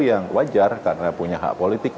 yang wajar karena punya hak politik